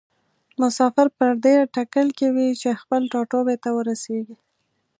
مسافر پر دې تکل کې وي چې خپل ټاټوبي ته ورسیږي.